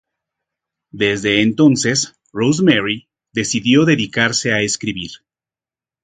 Desde entonces Rosemary decidió dedicarse a escribir.